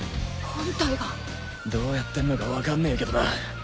どうやってんのかわかんねえけどな。